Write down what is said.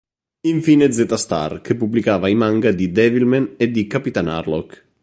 Infine "Z Star", che pubblicava i manga di "Devilman" e di "Capitan Harlock".